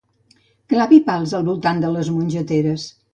Clavi pals al voltant de les mongeteres.